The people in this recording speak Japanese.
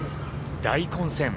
大混戦。